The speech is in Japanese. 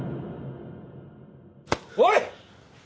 おい！